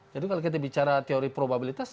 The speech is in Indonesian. jadi kalau kita bicara teori probabilitas